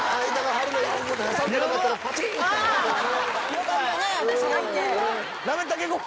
よかったね